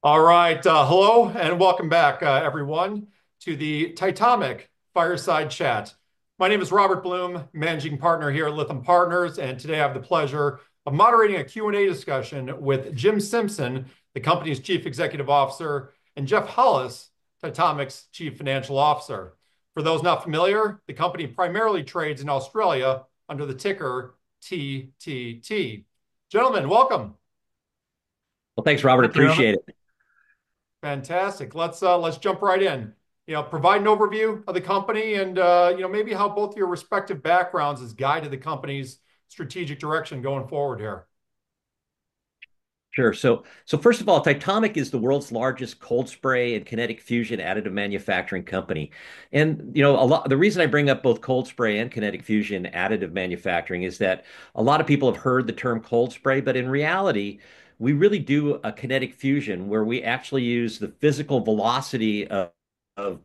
All right, hello and welcome back, everyone, to the Titomic Fireside Chat. My name is Robert Blum, Managing Partner here at Lytham Partners, and today I have the pleasure of moderating a Q&A discussion with Jim Simpson, the company's Chief Executive Officer, and Geoff Hollis, Titomic's Chief Financial Officer. For those not familiar, the company primarily trades in Australia under the ticker TTT. Gentlemen, welcome. Thanks, Robert. Appreciate it. Fantastic. Let's jump right in. Provide an overview of the company and maybe how both of your respective backgrounds have guided the company's strategic direction going forward here. Sure. First of all, Titomic is the world's largest cold spray and kinetic fusion additive manufacturing company. The reason I bring up both cold spray and kinetic fusion additive manufacturing is that a lot of people have heard the term cold spray, but in reality, we really do a kinetic fusion where we actually use the physical velocity of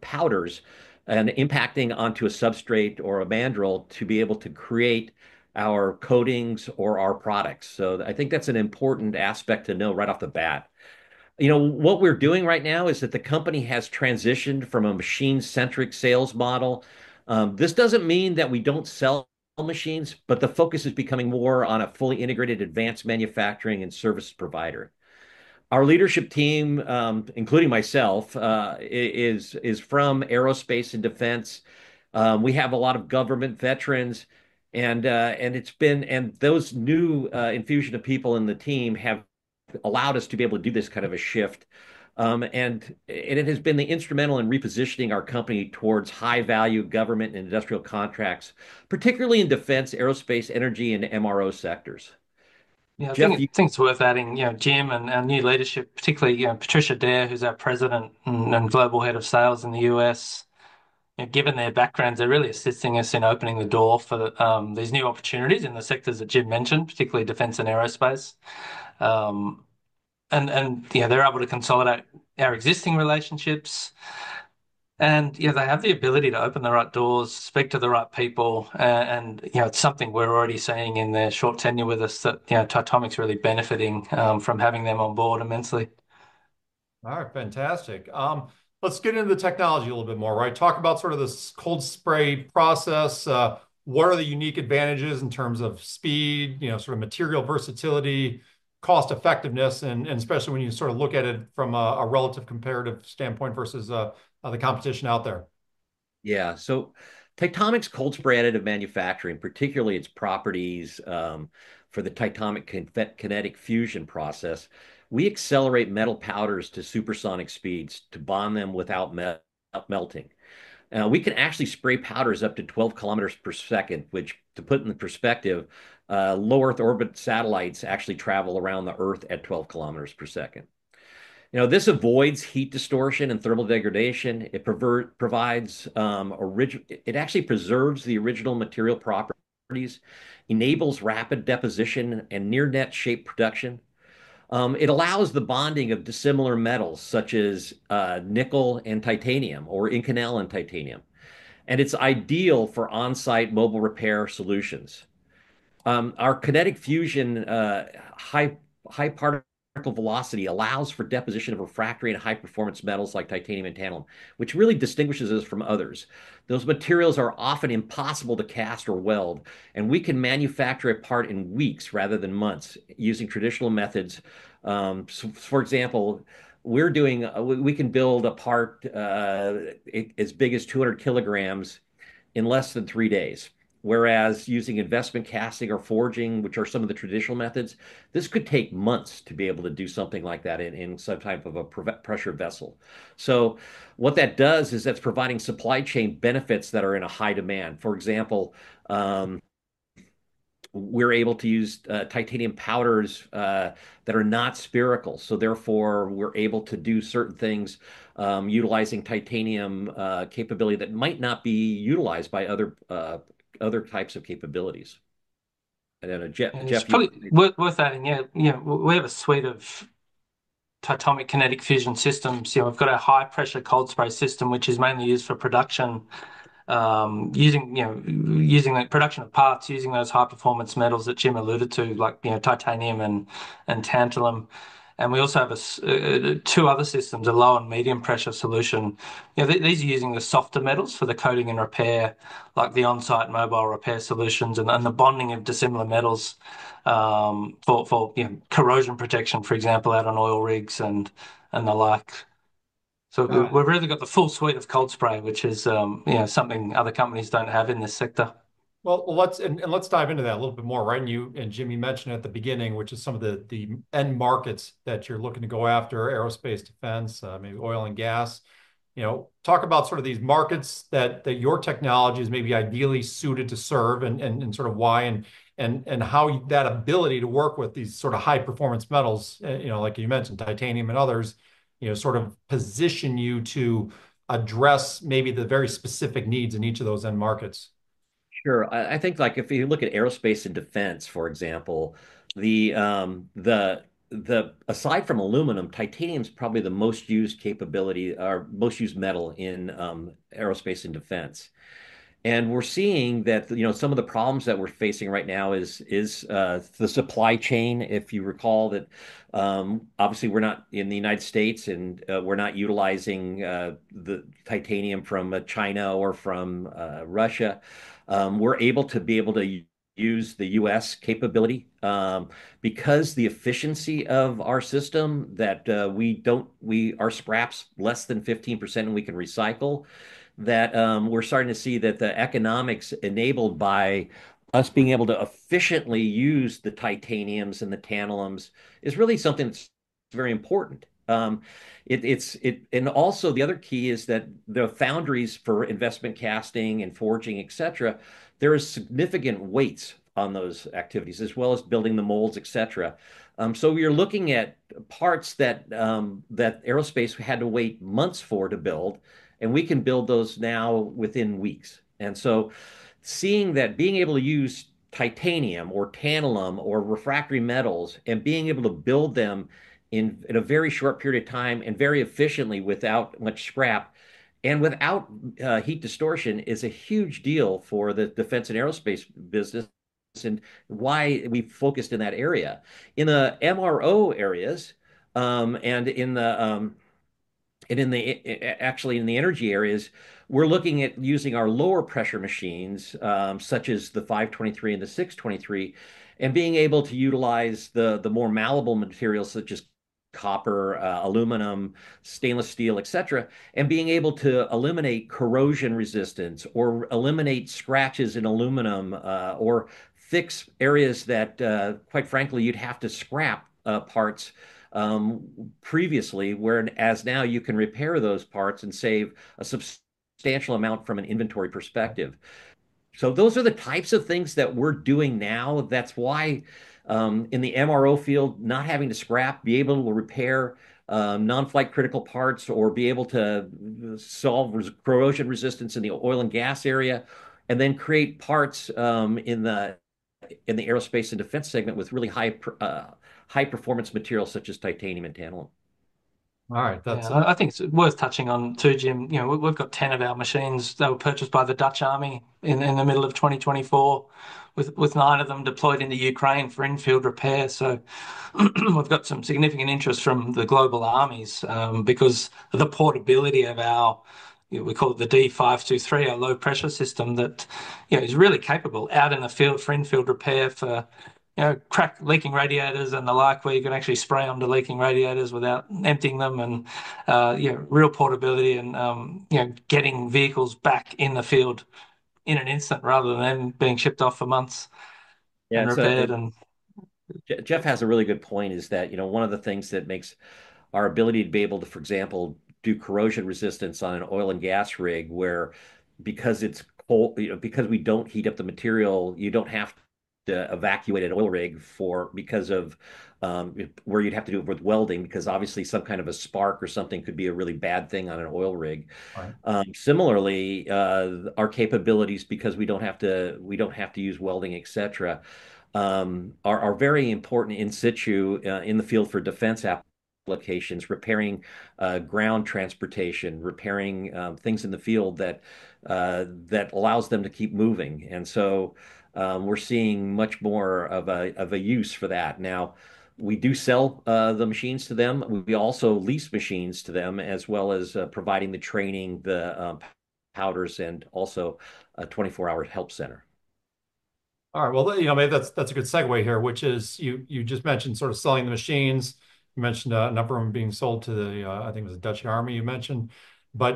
powders and impacting onto a substrate or a mandrel to be able to create our coatings or our products. I think that's an important aspect to know right off the bat. What we're doing right now is that the company has transitioned from a machine-centric sales model. This doesn't mean that we don't sell machines, but the focus is becoming more on a fully integrated advanced manufacturing and service provider. Our leadership team, including myself, is from aerospace and defense. We have a lot of government veterans, and those new infusion of people in the team have allowed us to be able to do this kind of a shift. It has been instrumental in repositioning our company towards high-value government and industrial contracts, particularly in defense, aerospace, energy, and MRO sectors. Geoff, you think it's worth adding Jim and new leadership, particularly Patti Dare, who's our President and Global Head of Sales in the U.S. given their backgrounds, they're really assisting us in opening the door for these new opportunities in the sectors that Jim mentioned, particularly defense and aerospace. They're able to consolidate our existing relationships. They have the ability to open the right doors, speak to the right people. It's something we're already seeing in their short tenure with us that Titomic's really benefiting from having them on board immensely. All right, fantastic. Let's get into the technology a little bit more. Talk about sort of this cold spray process. What are the unique advantages in terms of speed, sort of material versatility, cost effectiveness, and especially when you sort of look at it from a relative comparative standpoint versus the competition out there? Yeah. Titomic's cold spray additive manufacturing, particularly its properties for the Titomic Kinetic Fusion process, we accelerate metal powders to supersonic speeds to bond them without melting. We can actually spray powders up to 12 km per second, which, to put it in perspective, low Earth orbit satellites actually travel around the earth at 12 km per second. This avoids heat distortion and thermal degradation. It actually preserves the original material properties, enables rapid deposition, and near net shape production. It allows the bonding of dissimilar metals such as nickel and titanium or Inconel and titanium. It is ideal for on-site mobile repair solutions. Our Kinetic Fusion high particle velocity allows for deposition of refractory and high performance metals like titanium and tantalum, which really distinguishes us from others. Those materials are often impossible to cast or weld, and we can manufacture a part in weeks rather than months using traditional methods. For example, we can build a part as big as 200 kg in less than three days, whereas using investment casting or forging, which are some of the traditional methods, this could take months to be able to do something like that in some type of a pressure vessel. That is providing supply chain benefits that are in high demand. For example, we're able to use titanium powders that are not spherical. Therefore, we're able to do certain things utilizing titanium capability that might not be utilized by other types of capabilities. Geoff, worth adding, we have a suite of Titomic Kinetic Fusion systems. We've got a high-pressure cold spray system, which is mainly used for production, using the production of parts, using those high-performance metals that Jim alluded to, like titanium and tantalum. We also have two other systems, a low and medium pressure solution. These are using the softer metals for the coating and repair, like the on-site mobile repair solutions and the bonding of dissimilar metals for corrosion protection, for example, out on oil rigs and the like. We have really got the full suite of cold spray, which is something other companies do not have in this sector. Let's dive into that a little bit more. You and Jim mentioned at the beginning, which is some of the end markets that you're looking to go after, aerospace, defense, maybe oil and gas. Talk about sort of these markets that your technology is maybe ideally suited to serve and sort of why and how that ability to work with these sort of high performance metals, like you mentioned, titanium and others, sort of position you to address maybe the very specific needs in each of those end markets. Sure. I think if you look at aerospace and defense, for example, aside from aluminum, titaniums probably the most used metal in aerospace and defense. We're seeing that some of the problems that we're facing right now is the supply chain. If you recall that obviously we're not in the U.S. and we're not utilizing the titanium from China or from Russia, we're able to be able to use the U.S. capability. Because the efficiency of our system that we are scraps less than 15% and we can recycle, that we're starting to see that the economics enabled by us being able to efficiently use the titaniums and the tantalums is really something that's very important. Also the other key is that the foundries for investment casting and forging, et cetera, there are significant weights on those activities as well as building the molds, et cetera. We are looking at parts that aerospace had to wait months for to build, and we can build those now within weeks. Seeing that being able to use titanium or tantalum or refractory metals and being able to build them in a very short period of time and very efficiently without much scrap and without heat distortion is a huge deal for the defense and aerospace business and why we focused in that area. In the MRO areas and actually in the energy areas, we're looking at using our lower pressure machines such as the D523 and the D623 and being able to utilize the more malleable materials such as copper, aluminum, stainless steel, et cetera, and being able to eliminate corrosion resistance or eliminate scratches in aluminum or fix areas that, quite frankly, you'd have to scrap parts previously whereas now you can repair those parts and save a substantial amount from an inventory perspective. Those are the types of things that we're doing now. That's why in the MRO field, not having to scrap, be able to repair non-flight critical parts or be able to solve corrosion resistance in the oil and gas area and then create parts in the aerospace and defense segment with really high performance materials such as titanium and tantalum. All right. I think it's worth touching on too, Jim. We've got 10 of our machines that were purchased by the Dutch Army in the middle of 2024 with nine of them deployed into Ukraine for in-field repair. We've got some significant interest from the global armies because of the portability of our, we call it the D523, our low-pressure system that is really capable out in the field for in-field repair for crack leaking radiators and the like. Where you can actually spray onto leaking radiators without emptying them and real portability and getting vehicles back in the field in an instant rather than them being shipped off for months and repaired. Geoff has a really good point is that one of the things that makes our ability to be able to, for example, do corrosion resistance on an oil and gas rig where because we don't heat up the material, you don't have to evacuate an oil rig because of where you'd have to do it with welding because obviously some kind of a spark or something could be a really bad thing on an oil rig. Similarly, our capabilities because we don't have to use welding, et cetera, are very important in situ in the field for defense applications, repairing ground transportation, repairing things in the field that allows them to keep moving. We are seeing much more of a use for that. Now, we do sell the machines to them. We also lease machines to them as well as providing the training, the powders, and also a 24-hour help center. All right. That's a good segue here, which is you just mentioned sort of selling the machines. You mentioned a number of them being sold to the, I think it was the Dutch Army you mentioned.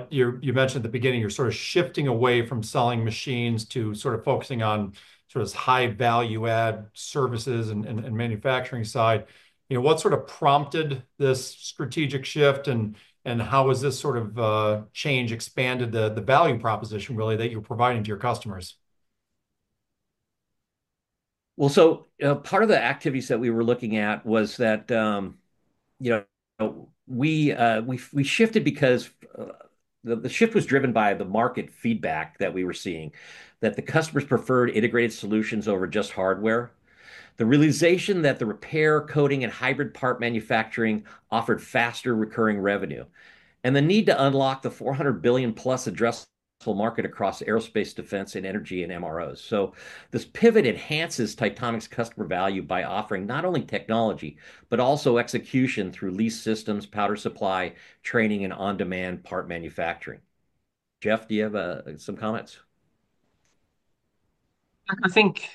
You mentioned at the beginning you're sort of shifting away from selling machines to sort of focusing on sort of high value add services and manufacturing side. What sort of prompted this strategic shift and how has this sort of change expanded the value proposition really that you're providing to your customers? Part of the activities that we were looking at was that we shifted because the shift was driven by the market feedback that we were seeing that the customers preferred integrated solutions over just hardware, the realization that the repair, coating, and hybrid part manufacturing offered faster recurring revenue, and the need to unlock the $400 billion plus addressable market across aerospace, defense, and energy and MROs. This pivot enhances Titomic's customer value by offering not only technology, but also execution through lease systems, powder supply, training, and on-demand part manufacturing. Geoff, do you have some comments? I think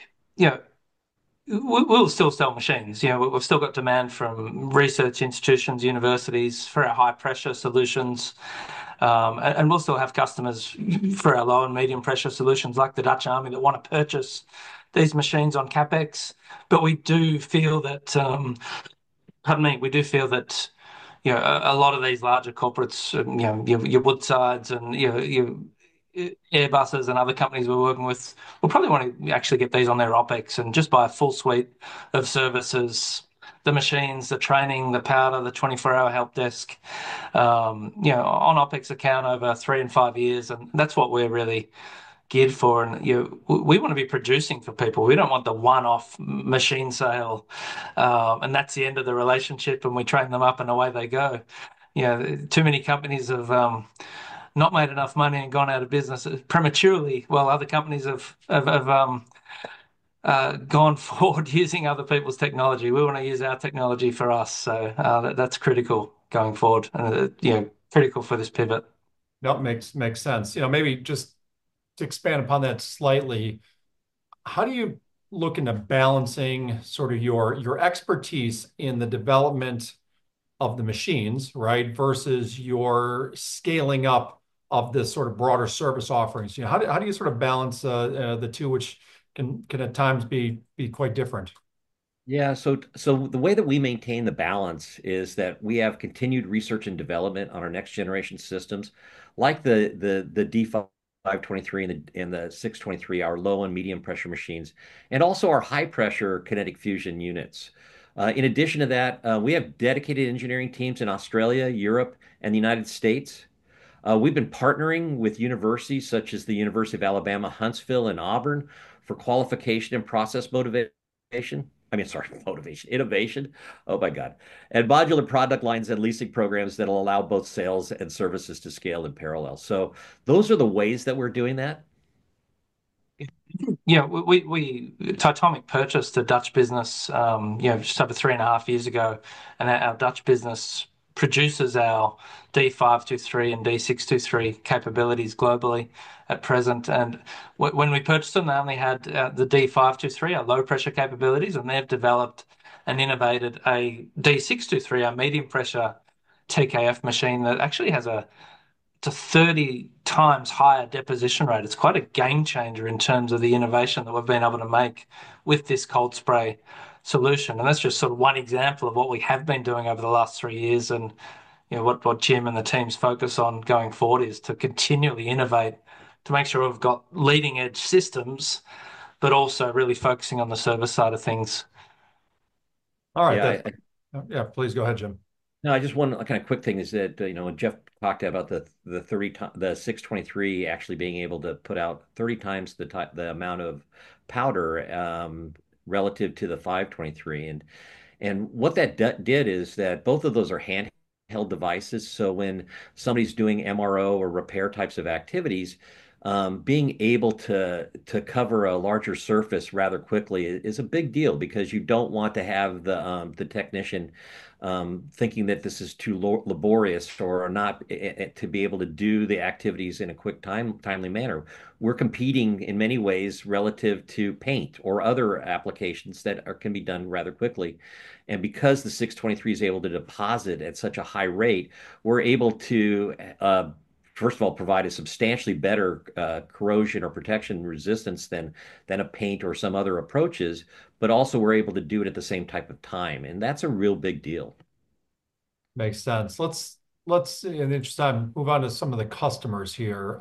we'll still sell machines. We've still got demand from research institutions, universities for our high pressure solutions. We'll still have customers for our low and medium pressure solutions like the Dutch Army that want to purchase these machines on CapEx. We do feel that, pardon me, we do feel that a lot of these larger corporates, your Woodsides and Airbuses and other companies we're working with, will probably want to actually get these on their OpEx and just buy a full suite of services, the machines, the training, the powder, the 24-hour help desk on OpEx account over three and five years. That's what we're really geared for. We want to be producing for people. We don't want the one-off machine sale. That's the end of the relationship. We train them up and away they go. Too many companies have not made enough money and gone out of business prematurely while other companies have gone forward using other people's technology. We want to use our technology for us. That is critical going forward and critical for this pivot. That makes sense. Maybe just to expand upon that slightly, how do you look into balancing sort of your expertise in the development of the machines versus your scaling up of this sort of broader service offerings? How do you sort of balance the two, which can at times be quite different? Yeah. The way that we maintain the balance is that we have continued research and development on our next generation systems like the D523 and the 623, our low and medium pressure machines, and also our high pressure kinetic fusion units. In addition to that, we have dedicated engineering teams in Australia, Europe, and the United States. We've been partnering with universities such as the University of Alabama, Huntsville, and Auburn for qualification and process motivation. I mean, sorry, motivation, innovation. Oh my God. Modular product lines and leasing programs that will allow both sales and services to scale in parallel. Those are the ways that we're doing that. Yeah. Titomic purchased a Dutch business just over three and a half years ago. Our Dutch business produces our D523 and D623 capabilities globally at present. When we purchased them, they only had the D523, our low-pressure capabilities. They have developed and innovated a D623, our medium-pressure TKF machine that actually has a 30 times higher deposition rate. It's quite a game changer in terms of the innovation that we've been able to make with this cold spray solution. That's just sort of one example of what we have been doing over the last three years and what Jim and the team's focus on going forward is to continually innovate to make sure we've got leading-edge systems, but also really focusing on the service side of things. All right. Yeah, please go ahead, Jim. No, I just wanted a kind of quick thing is that Geoff talked about the 623 actually being able to put out 30 times the amount of powder relative to the 523. And what that did is that both of those are handheld devices. So when somebody's doing MRO or repair types of activities, being able to cover a larger surface rather quickly is a big deal because you don't want to have the technician thinking that this is too laborious or not to be able to do the activities in a quick timely manner. We're competing in many ways relative to paint or other applications that can be done rather quickly. Because the D623 is able to deposit at such a high rate, we're able to, first of all, provide a substantially better corrosion or protection resistance than a paint or some other approaches, but also we're able to do it at the same type of time. That's a real big deal. Makes sense. Let's move on to some of the customers here.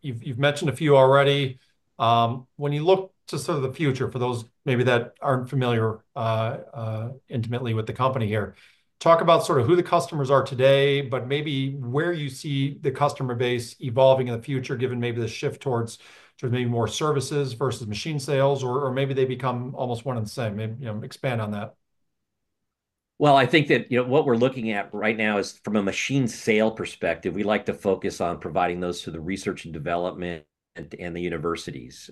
You've mentioned a few already. When you look to sort of the future for those maybe that aren't familiar intimately with the company here, talk about sort of who the customers are today, but maybe where you see the customer base evolving in the future given maybe the shift towards maybe more services versus machine sales or maybe they become almost one and the same. Expand on that. I think that what we're looking at right now is from a machine sale perspective, we like to focus on providing those to the research and development and the universities,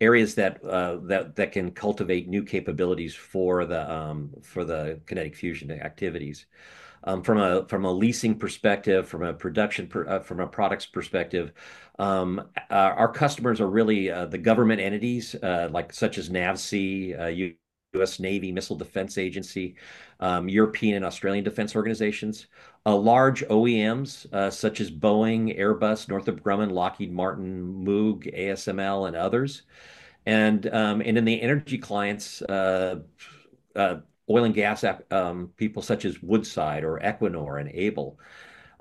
areas that can cultivate new capabilities for the kinetic fusion activities. From a leasing perspective, from a products perspective, our customers are really the government entities such as NAVSEA, U.S. Navy, Missile Defense Agency, European and Australian defense organizations, large OEMs such as Boeing, Airbus, Northrop Grumman, Lockheed Martin, Moog, ASML, and others. In the energy clients, oil and gas people such as Woodside or Equinor and Able.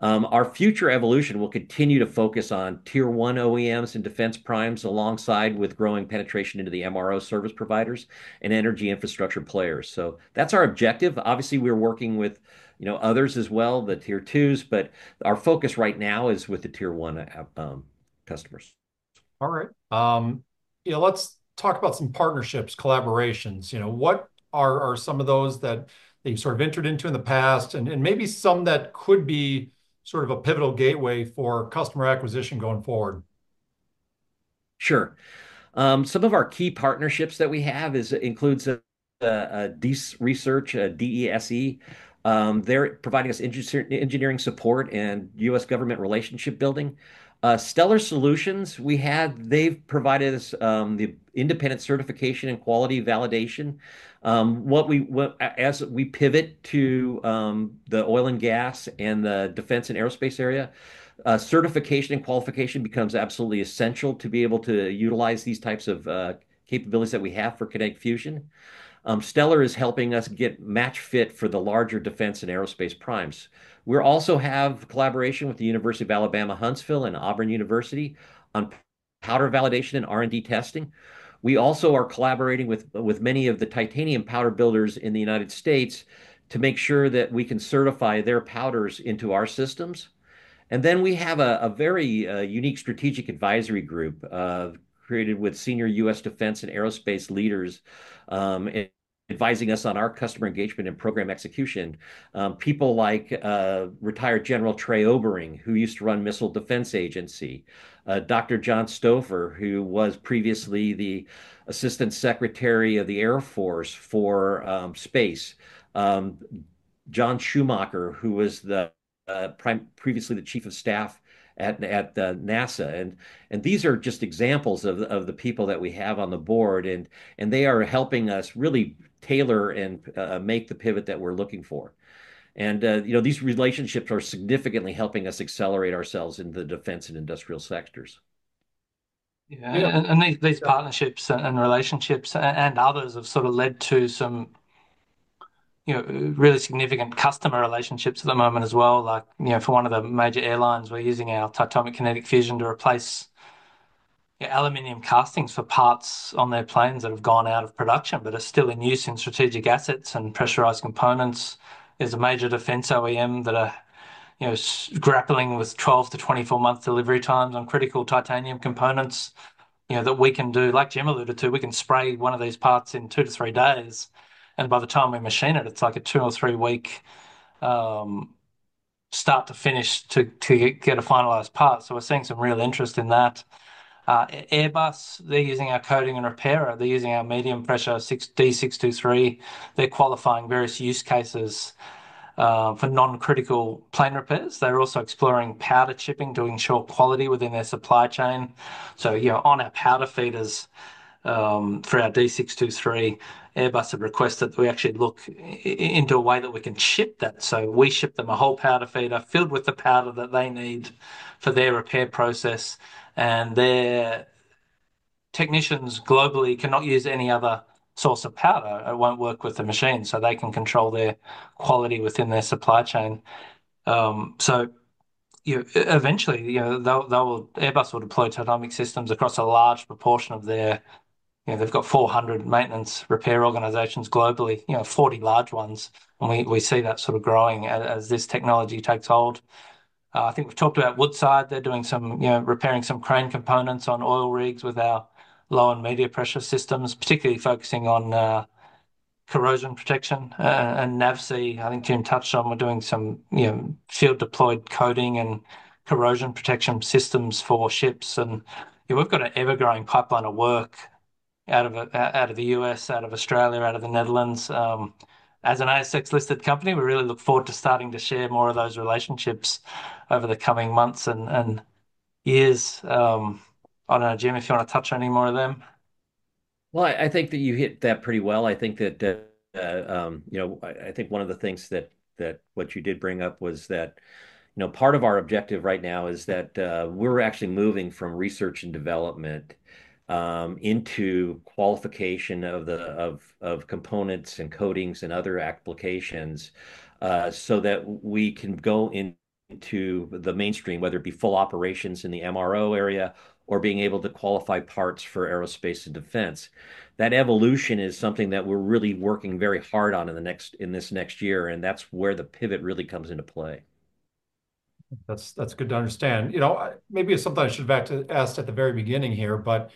Our future evolution will continue to focus on tier one OEMs and defense primes alongside with growing penetration into the MRO service providers and energy infrastructure players. That is our objective. Obviously, we're working with others as well, the tier twos, but our focus right now is with the tier one customers. All right. Let's talk about some partnerships, collaborations. What are some of those that you've sort of entered into in the past and maybe some that could be sort of a pivotal gateway for customer acquisition going forward? Sure. Some of our key partnerships that we have include DESE Research. They're providing us engineering support and U.S. government relationship building. Stellar Solutions, they've provided us the independent certification and quality validation. As we pivot to the oil and gas and the defense and aerospace area, certification and qualification becomes absolutely essential to be able to utilize these types of capabilities that we have for kinetic fusion. Stellar is helping us get match fit for the larger defense and aerospace primes. We also have collaboration with the University of Alabama, Huntsville, and Auburn University on powder validation and R&D testing. We also are collaborating with many of the titanium powder builders in the United States to make sure that we can certify their powders into our systems. We have a very unique strategic advisory group created with senior U.S. defense and aerospace leaders advising us on our customer engagement and program execution. People like retired General Trey Obering, who used to run Missile Defense Agency, Dr. John Stopher, who was previously the assistant secretary of the Air Force for space, John Schumacher, who was previously the chief of staff at NASA. These are just examples of the people that we have on the board. They are helping us really tailor and make the pivot that we're looking for. These relationships are significantly helping us accelerate ourselves in the defense and industrial sectors. Yeah. These partnerships and relationships and others have sort of led to some really significant customer relationships at the moment as well. For one of the major airlines, we're using our Titomic Kinetic Fusion to replace aluminum castings for parts on their planes that have gone out of production but are still in use in strategic assets and pressurized components. There's a major defense OEM that are grappling with 12-24 month delivery times on critical titanium components that we can do, like Jim alluded to, we can spray one of these parts in two to three days. By the time we machine it, it's like a two or three week start to finish to get a finalized part. We are seeing some real interest in that. Airbus, they're using our coating and repair. They're using our medium pressure D623. They're qualifying various use cases for non-critical plane repairs. They're also exploring powder shipping, doing short quality within their supply chain. On our powder feeders for our D623, Airbus have requested that we actually look into a way that we can ship that. We ship them a whole powder feeder filled with the powder that they need for their repair process. Their technicians globally cannot use any other source of powder. It won't work with the machine. They can control their quality within their supply chain. Eventually, Airbus will deploy Titomic systems across a large proportion of their, they've got 400 maintenance repair organizations globally, 40 large ones. We see that sort of growing as this technology takes hold. I think we've talked about Woodside. They're repairing some crane components on oil rigs with our low and medium pressure systems, particularly focusing on corrosion protection. NAVSEA, I think Jim touched on, we're doing some field deployed coating and corrosion protection systems for ships. We've got an ever-growing pipeline of work out of the U.S., out of Australia, out of the Netherlands. As an ASX-listed company, we really look forward to starting to share more of those relationships over the coming months and years. I don't know, Jim, if you want to touch on any more of them. I think that you hit that pretty well. I think one of the things that you did bring up was that part of our objective right now is that we're actually moving from research and development into qualification of components and coatings and other applications so that we can go into the mainstream, whether it be full operations in the MRO area or being able to qualify parts for aerospace and defense. That evolution is something that we're really working very hard on in this next year. That is where the pivot really comes into play. That's good to understand. Maybe it's something I should have asked at the very beginning here, but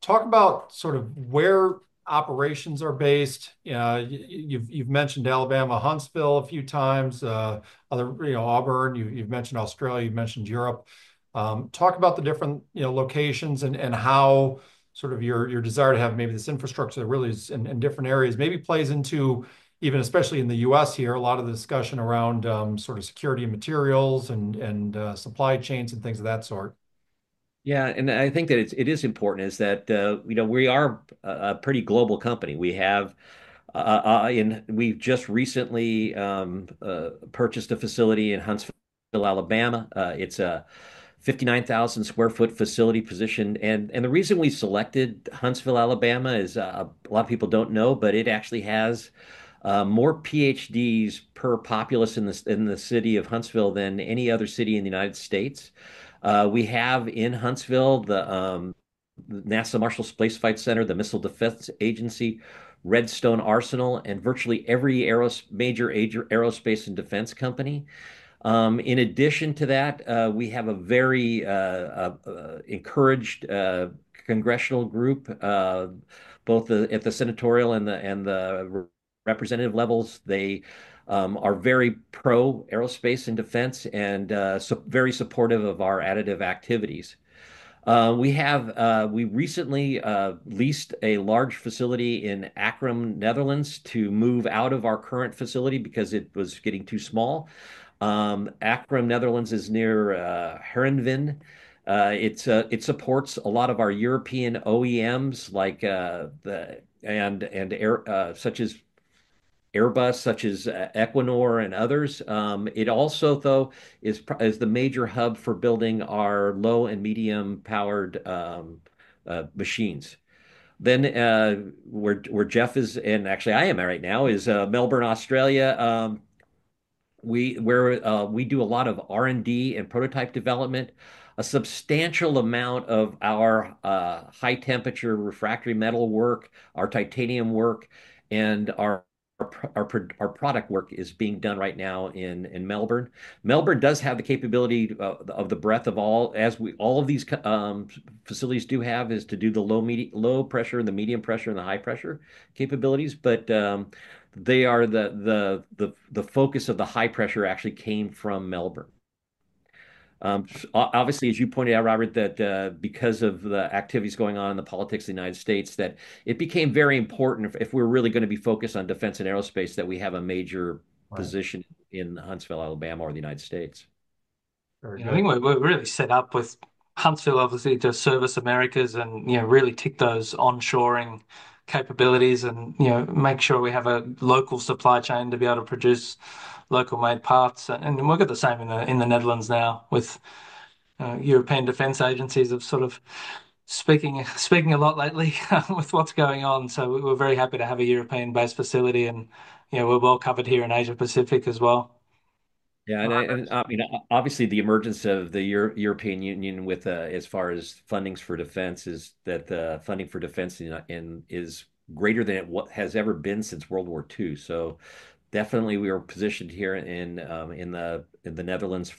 talk about sort of where operations are based. You've mentioned Alabama, Huntsville a few times, Auburn. You've mentioned Australia. You've mentioned Europe. Talk about the different locations and how sort of your desire to have maybe this infrastructure that really is in different areas maybe plays into even especially in the U.S. here, a lot of the discussion around sort of security materials and supply chains and things of that sort. Yeah. I think that it is important is that we are a pretty global company. We've just recently purchased a facility in Huntsville, Alabama. It's a 59,000 sq ft facility position. The reason we selected Huntsville, Alabama is a lot of people don't know, but it actually has more PhDs per populace in the city of Huntsville than any other city in the United States. We have in Huntsville the NASA Marshall Space Flight Center, the Missile Defense Agency, Redstone Arsenal, and virtually every major aerospace and defense company. In addition to that, we have a very encouraged congressional group, both at the senatorial and the representative levels. They are very pro aerospace and defense and very supportive of our additive activities. We recently leased a large facility in Aachen, Netherlands to move out of our current facility because it was getting too small. Aachen, Netherlands is near Heerlen. It supports a lot of our European OEMs, such as Airbus, such as Equinor and others. It also, though, is the major hub for building our low and medium pressure machines. Where Geoff is, and actually I am right now, is Melbourne, Australia. We do a lot of R&D and prototype development. A substantial amount of our high temperature refractory metal work, our titanium work, and our product work is being done right now in Melbourne. Melbourne does have the capability of the breadth of all, as all of these facilities do have, is to do the low pressure and the medium pressure and the high pressure capabilities. The focus of the high pressure actually came from Melbourne. Obviously, as you pointed out, Robert, that because of the activities going on in the politics of the United States, that it became very important if we're really going to be focused on defense and aerospace that we have a major position in Huntsville, Alabama, or the United States. I think we're really set up with Huntsville, obviously, to service Americas and really tick those onshoring capabilities and make sure we have a local supply chain to be able to produce local-made parts. We've got the same in the Netherlands now with European defense agencies sort of speaking a lot lately with what's going on. We are very happy to have a European-based facility and we're well covered here in Asia-Pacific as well. Yeah. Obviously, the emergence of the European Union as far as funding's for defense is that the funding for defense is greater than it has ever been since World War II. Definitely we are positioned here in the Netherlands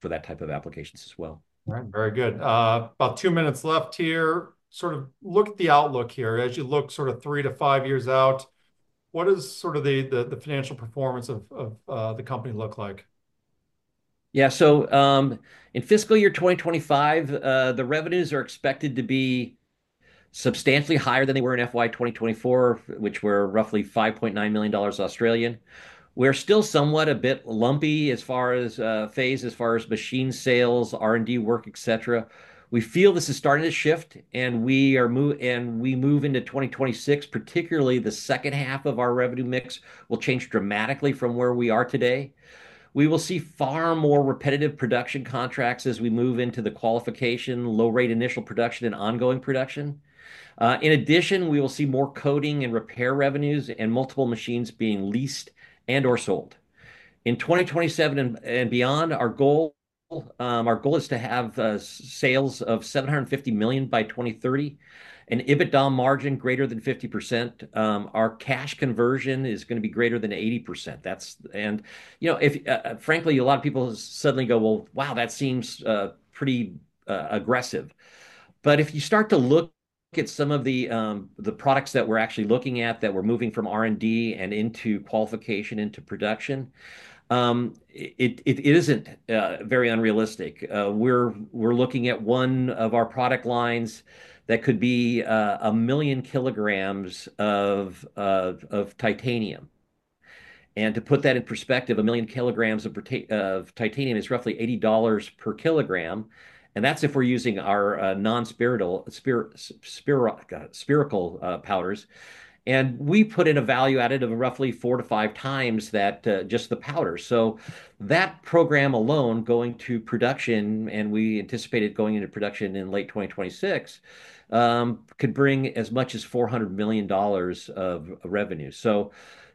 for that type of applications as well. All right. Very good. About two minutes left here. Sort of look at the outlook here as you look sort of three to five years out. What does sort of the financial performance of the company look like? Yeah. In fiscal year 2025, the revenues are expected to be substantially higher than they were in FY 2024, which were roughly 5.9 million Australian dollars. We're still somewhat a bit lumpy as far as phase, as far as machine sales, R&D work, etc. We feel this is starting to shift. As we move into 2026, particularly the second half, our revenue mix will change dramatically from where we are today. We will see far more repetitive production contracts as we move into the qualification, low rate initial production, and ongoing production. In addition, we will see more coating and repair revenues and multiple machines being leased and/or sold. In 2027 and beyond, our goal is to have sales of $750 million by 2030, an EBITDA margin greater than 50%. Our cash conversion is going to be greater than 80%. Frankly, a lot of people suddenly go, "Well, wow, that seems pretty aggressive." If you start to look at some of the products that we're actually looking at that we're moving from R&D and into qualification into production, it isn't very unrealistic. We're looking at one of our product lines that could be a million kilograms of titanium. To put that in perspective, a million kilograms of titanium is roughly $80 per kg. That's if we're using our non-spherical powders. We put in a value added of roughly four to five times that, just the powder. That program alone going to production, and we anticipated going into production in late 2026, could bring as much as $400 million of revenue.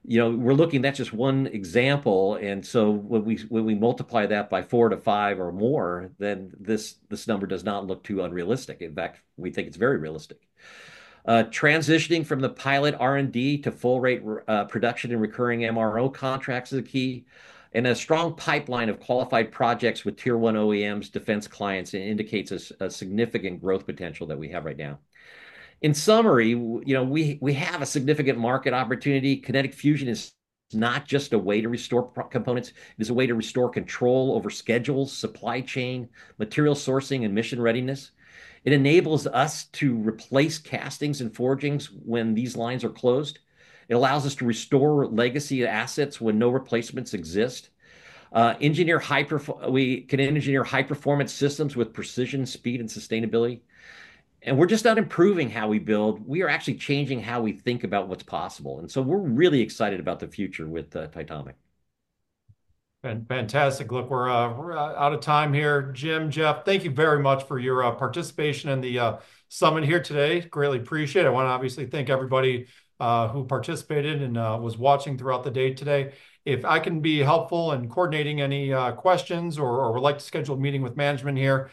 We're looking, that's just one example. When we multiply that by four to five or more, then this number does not look too unrealistic. In fact, we think it's very realistic. Transitioning from the pilot R&D to full rate production and recurring MRO contracts is key. A strong pipeline of qualified projects with tier one OEMs, defense clients, indicates a significant growth potential that we have right now. In summary, we have a significant market opportunity. Kinetic Fusion is not just a way to restore components. It is a way to restore control over schedules, supply chain, material sourcing, and mission readiness. It enables us to replace castings and forgings when these lines are closed. It allows us to restore legacy assets when no replacements exist. We can engineer high-performance systems with precision, speed, and sustainability. We're just not improving how we build. We are actually changing how we think about what's possible. We are really excited about the future with Titomic. Fantastic. Look, we're out of time here. Jim, Geoff, thank you very much for your participation in the summit here today. Greatly appreciate it. I want to obviously thank everybody who participated and was watching throughout the day today. If I can be helpful in coordinating any questions or would like to schedule a meeting with management here,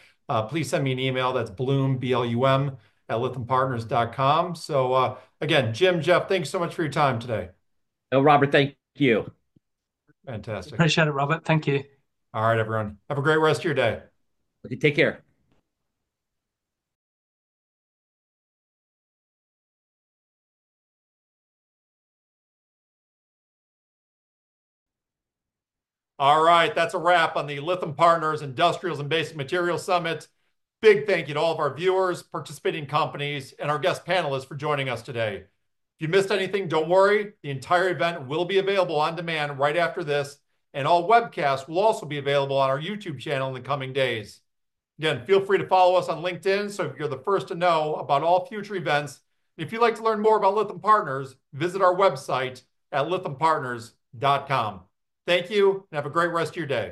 please send me an email. That's blum@lythampartners.com. Jim, Geoff, thank you so much for your time today. No, Robert, thank you. Fantastic. Appreciate it, Robert. Thank you. All right, everyone. Have a great rest of your day. Take care. All right. That's a wrap on the Lytham Partners Industrials and Basic Materials Summit. Big thank you to all of our viewers, participating companies, and our guest panelists for joining us today. If you missed anything, don't worry. The entire event will be available on demand right after this. All webcasts will also be available on our YouTube channel in the coming days. Again, feel free to follow us on LinkedIn so you're the first to know about all future events. If you'd like to learn more about Lytham Partners, visit our website at lythampartners.com. Thank you and have a great rest of your day.